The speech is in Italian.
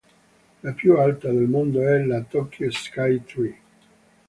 La più alta del mondo è la Tokyo Sky Tree.